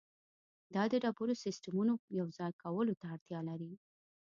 دا د ډیرو سیستمونو یوځای کولو ته اړتیا لري